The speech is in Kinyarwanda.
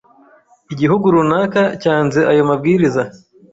Igihugu runaka cyanze ayo mabwiriza,